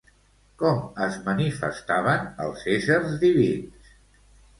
Com es manifestaven els éssers divins?